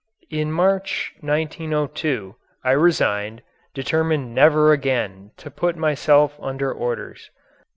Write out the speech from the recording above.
In March, 1902, I resigned, determined never again to put myself under orders.